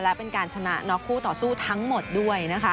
และเป็นการชนะน็อกคู่ต่อสู้ทั้งหมดด้วยนะคะ